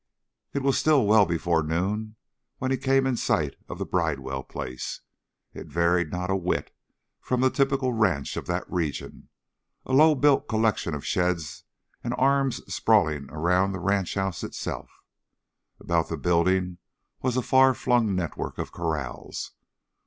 It was still well before noon when he came in sight of the Bridewell place. It varied not a whit from the typical ranch of that region, a low built collection of sheds and arms sprawling around the ranch house itself. About the building was a far flung network of corrals.